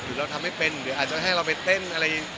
เราทำไม่เป็นหรืออาจจะให้เราไปเต้นอะไร